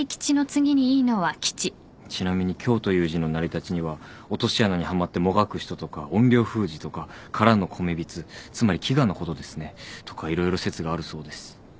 ちなみに凶という字の成り立ちには落とし穴にはまってもがく人とか怨霊封じとか空の米びつつまり飢餓のことですね。とか色々説があるそうです。